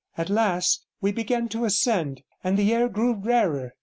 At last we began to ascend, and the air grew rarer.